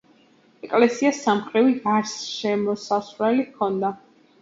ეკლესიას სამმხრივი გარსშემოსავლელი ჰქონდა.